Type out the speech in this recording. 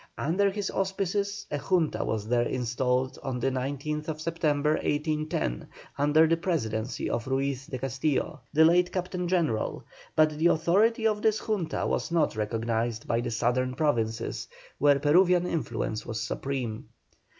Under his auspices a Junta was there installed on the 19th September, 1810, under the presidency of Ruiz de Castillo, the late captain general, but the authority of this Junta was not recognised by the Southern Provinces, where Peruvian influence was supreme.